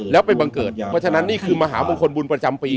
แล้วไปบังเกิดอย่างเพราะฉะนั้นนี่คือมหามงคลบุญประจำปี